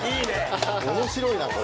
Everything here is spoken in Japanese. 面白いなこれ。